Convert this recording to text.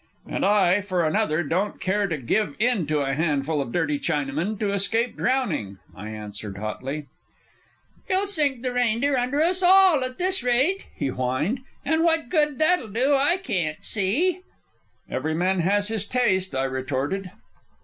"And I, for another, don't care to give in to a handful of dirty Chinamen to escape drowning," I answered hotly. "You'll sink the Reindeer under us all at this rate," he whined. "And what good that'll do I can't see." "Every man to his taste," I retorted.